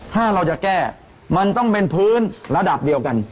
ถ้าเราจะแก้มันต้องเป็นพื้นระดับเดียวกัน